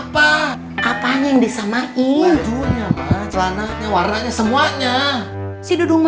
katanya udah dapet posisinya